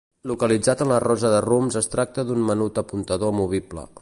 Localitzat en la rosa de rumbs es tracta d'un menut apuntador movible.